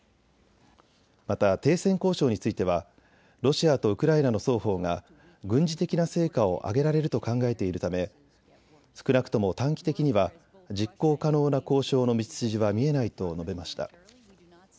また停戦交渉についてはロシアとウクライナの双方が軍事的な成果を挙げられると考えているため、少なくとも短期的には実行可能な交渉の道筋は見えないと述べました。